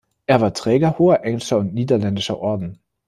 Er war Träger hoher englischer und niederländischer Orden.